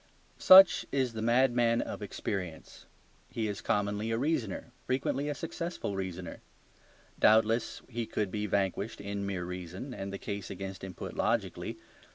Such is the madman of experience; he is commonly a reasoner, frequently a successful reasoner. Doubtless he could be vanquished in mere reason, and the case against him put logically.